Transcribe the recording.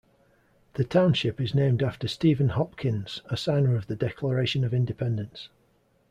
The township is named after Stephen Hopkins, a signer of the Declaration of Independence.